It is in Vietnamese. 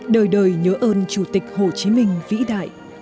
đời đời nhớ ơn chủ tịch hồ chí minh vĩ đại